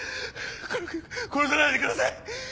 こ殺さないでください！